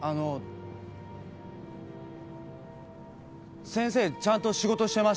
先生ちゃんと仕事してましたよ。